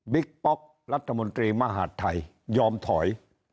ป๊อกรัฐมนตรีมหาดไทยยอมถอย